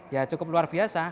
ya cukup luar biasa